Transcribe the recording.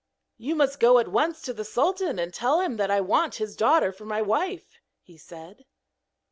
'You must go at once to the sultan, and tell him that I want his daughter for my wife,' he said.